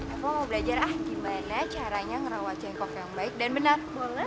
ewa mau belajar ah gimana caranya ngerawat cengkok yang baik dan benar